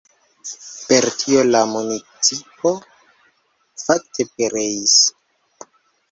Per tio la municipo fakte pereis.